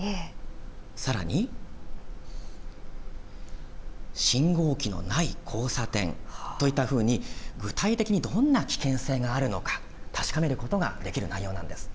さらに信号機のない交差点といったふうに具体的にどんな危険性があるのか確かめることができる内容なんです。